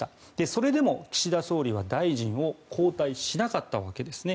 それでも岸田総理は大臣を交代しなかったわけです。